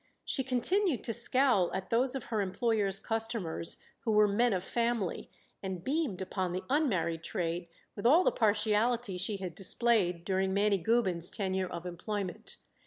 She continued to scowl at those of her employers' customers who were men of family, and beamed upon the unmarried trade with all the partiality she had displayed during Mannie Gubin's tenure of employment.